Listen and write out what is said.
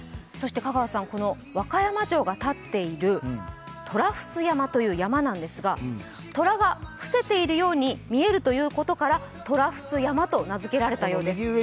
そして和歌山城が建っている虎伏山という山なんですがとらが伏せているように見えるということから虎伏山と名付けられたそうです。